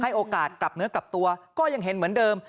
โอกาสกลับเนื้อกลับตัวก็ยังเห็นเหมือนเดิม